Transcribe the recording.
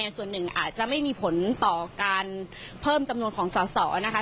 ส่วนหนึ่งอาจจะไม่มีผลต่อการเพิ่มจำนวนของสอสอนะคะ